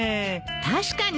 確かに。